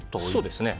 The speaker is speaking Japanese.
そうですね。